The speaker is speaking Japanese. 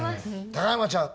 高山ちゃん。